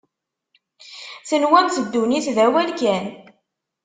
Tenwamt ddunit d awal kan.